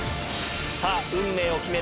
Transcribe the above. さあ、運命を決める